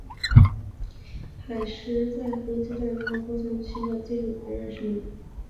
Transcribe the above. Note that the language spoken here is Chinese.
海虱在浮游阶段如何扩散及寻找寄主仍然是迷。